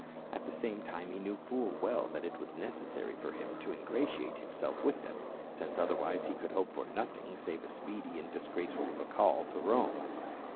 At the same time he knew full well that it was necessary for him to ingratiate himself with them, since otherwise he could hope for nothing save a speedy and disgraceful recall to Rome.